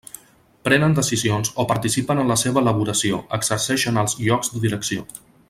Prenen decisions o participen en la seua elaboració, exercixen alts llocs de direcció.